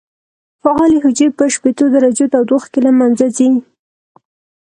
فعالې حجرې په شپېتو درجو تودوخه کې له منځه ځي.